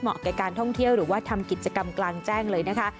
แก่การท่องเที่ยวหรือว่าทำกิจกรรมกลางแจ้งเลยนะคะ